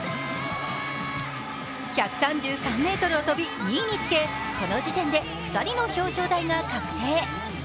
１３３ｍを飛び２位につけ、この時点で２人の表彰台が確定。